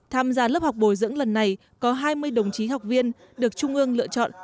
tham gia lớp học bồi dưỡng lần này có hai mươi đồng chí học viên được trung ương lựa chọn